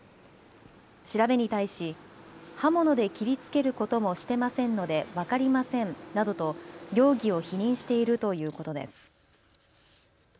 調べに対し刃物で切りつけることもしてませんので分かりませんなどと容疑を否認しているということです。